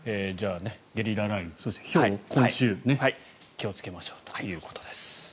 ゲリラ雷雨そしてひょうに、今週は気をつけましょうということです。